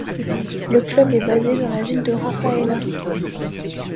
Le club est basé dans la ville de Rafaela.